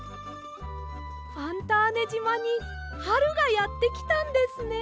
ファンターネ島にはるがやってきたんですね。